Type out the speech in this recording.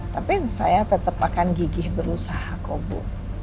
tapi saya tetap akan gigih berusaha kok bu